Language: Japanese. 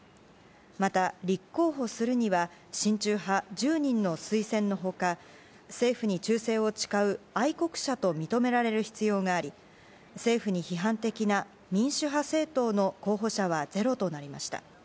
また、立候補するには親中派１０人の推薦の他政府に忠誠を誓う愛国者と認められる必要があり政府に批判的な民主派政党の候補者はゼロとなりました。